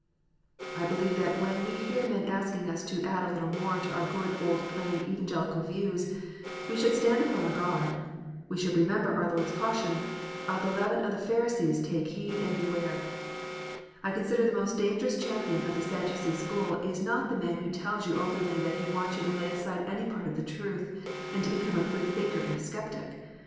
I believe that when we hear men asking us to " add a little more " to our good old plain Evangelical views, we should stand upon our guard. We should remember our Lord s caution :" Of the leaven of the Pharisees, take heed and beware." I consider the most dangerous champion of the Sadducee school is not the man who tells you openly that he wants you to lay aside any part of the truth, and to become a free thinker and a sceptic.